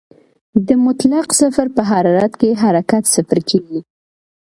د مطلق صفر په حرارت کې حرکت صفر کېږي.